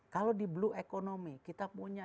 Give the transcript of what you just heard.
kalau di blue economy kita punya